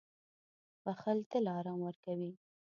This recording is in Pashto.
• بښل تل آرام ورکوي.